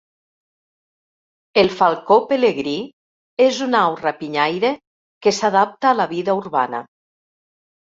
El falcó pelegrí és una au rapinyaire que s'adapta a la vida urbana.